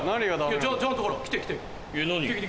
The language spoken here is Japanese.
ちゃんとほら着て着て。